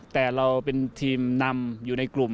แต่เราเป็นทีมนำอยู่ในกลุ่ม